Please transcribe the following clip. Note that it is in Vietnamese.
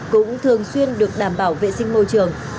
cũng thường xuyên được đảm bảo vệ sinh môi trường